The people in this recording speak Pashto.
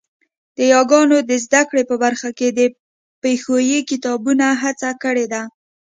د یاګانو د زده کړې په برخه کې د پښويې کتابونو هڅه کړې ده